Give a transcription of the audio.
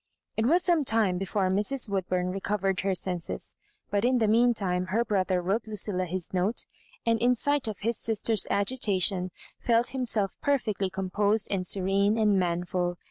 It was some time before Mrs. Woodbum re covered her senses; but in the mean time her brother wrote Lucilla his note, and in sight of his sister's agitatk)n felt himself perfectly com posed and serene and manful.